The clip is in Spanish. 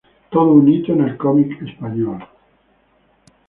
Todo un hito en el cómic español.